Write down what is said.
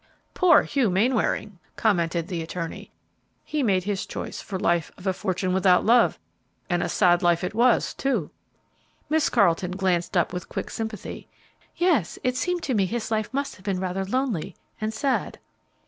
"Poor Hugh Mainwaring!" commented the attorney; "he made his choice for life of a fortune without love, and a sad life it was, too!" Miss Carleton glanced up with quick sympathy. "Yes, it seemed to me his life must have been rather lonely and sad."